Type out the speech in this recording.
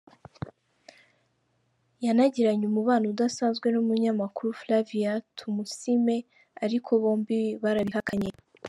Yanagiranye umubano udasanzwe n’umunyamakuru Flavia Tumusiime ariko bombi barabihakanye.